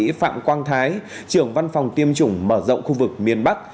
tiến sĩ phạm quang thái trưởng văn phòng tiêm chủng mở rộng khu vực miền bắc